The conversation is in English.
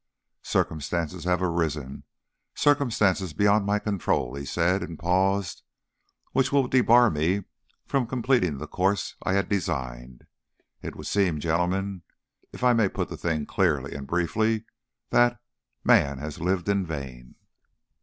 "Circumstances have arisen circumstances beyond my control," he said and paused, "which will debar me from completing the course I had designed. It would seem, gentlemen, if I may put the thing clearly and briefly, that Man has lived in vain."